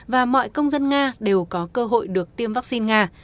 và mọi công dân nga đều có cơ hội được tiêm vaccine nga